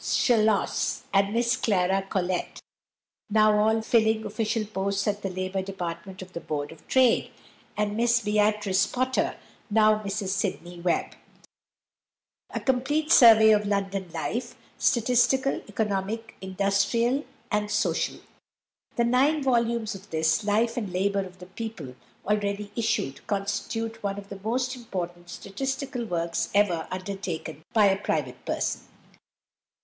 Schloss, and Miss Clara Collet, now all filling official posts at the Labor Department of the Board of Trade; and Miss Beatrice Potter (now Mrs Sidney Webb) a complete survey of London life, statistical, economic, industrial, and social. The nine volumes of this "Life and Labor of the People," already issued, constitute one of the most important statistical works ever undertaken by a private person.